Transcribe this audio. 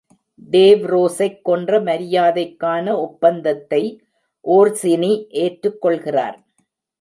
டேவ்ரோஸைக் கொன்ற மரியாதைக்கான ஒப்பந்தத்தை ஓர்சினி ஏற்றுக்கொள்கிறார்.